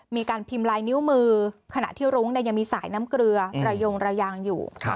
มีการพิมพ์ลายนิ้วมือขณะที่รุ้งยังมีสายน้ำเกลือระยงระยางอยู่